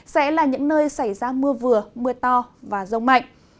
sẽ là những nơi xảy ra mưa vừa mưa to và rông mạnh